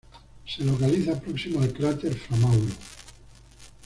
Se localiza próximo al cráter Fra Mauro.